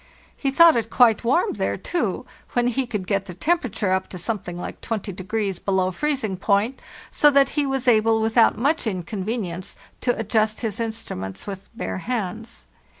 He thought it quite warm there, too, when he could get the temperature up to something like 20° below freezing point, so that he was able without much inconvenience to adjust his instruments with bare hands.